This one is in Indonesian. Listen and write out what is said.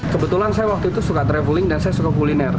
kebetulan saya waktu itu suka traveling dan saya suka kuliner